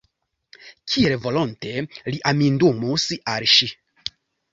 Kiel volonte li amindumus al ŝi!